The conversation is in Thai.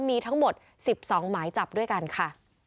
มีทั้งหมด๑๒หมายจับด้วยกันค่ะ